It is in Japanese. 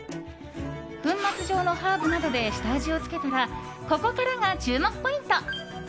粉末状のハーブなどで下味をつけたらここからが注目ポイント。